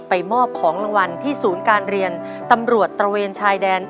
มอบของรางวัลที่ศูนย์การเรียนตำรวจตระเวนชายแดน